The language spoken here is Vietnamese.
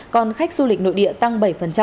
còn khách du lịch nội địa tăng bảy